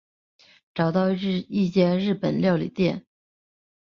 找到一间日本料理店